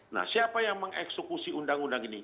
nah siapa yang mengeksekusi undang undang ini